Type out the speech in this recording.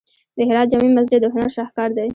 د هرات جامع مسجد د هنر شاهکار دی.